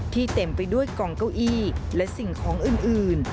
เต็มไปด้วยกองเก้าอี้และสิ่งของอื่น